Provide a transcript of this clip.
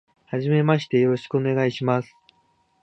はじめまして、よろしくお願いします。